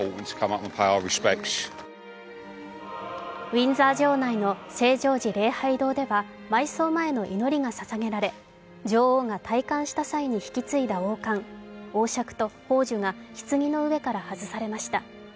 ウィンザー城内の聖ジョージ礼拝堂では、埋葬前の祈りがささげられ女王が戴冠した際に引き継いだ王冠、王しゃくと宝珠がひつぎの上から外されました。